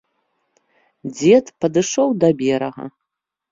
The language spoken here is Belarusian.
Дзед падышоў да берага.